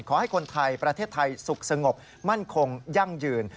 ขอให้คนไทยประเทศไทยสุขสงบมั่นคงยั่งยืน